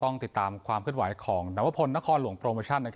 ต้องติดตามความเคลื่อนไหวของนวพลนครหลวงโปรโมชั่น